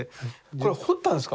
これ彫ったんですか？